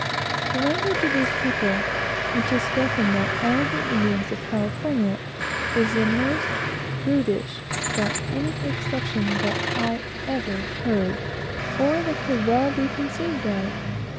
The language of these people, which is spoken by all the Indians of California, is the most brutish and inhuman language, without any exception, that I ever heard, or that could well be conceived of.